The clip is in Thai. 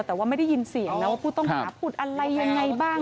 แต่ว่าไม่ได้ยินเสียงนะว่าผู้ต้องหาพูดอะไรยังไงบ้าง